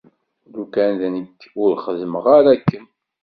Lukan d nekk ur xeddmeɣ ara akken.